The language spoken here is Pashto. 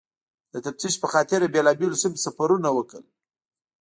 د تفتیش پخاطر یې بېلابېلو سیمو ته سفرونه کول.